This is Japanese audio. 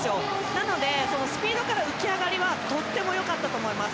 なので、スピードから浮き上がりはとってもよかったと思います。